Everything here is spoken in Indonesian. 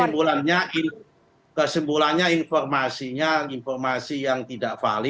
kesimpulannya kesimpulannya informasinya informasi yang tidak valid